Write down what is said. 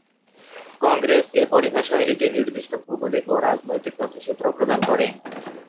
কংগ্রেস এ পরিভাষায় একটি নির্দিষ্ট ভৌগোলিক ও রাজনৈতিক তথ্যসূত্র প্রদান করে।